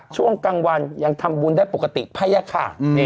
ช่วงกลางวันยังทำบุญได้ปกติพยาคา